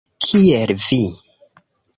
- Kiel vi?